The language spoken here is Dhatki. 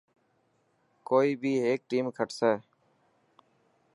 ڪوئي بي هيڪ ٽيم کٽسي.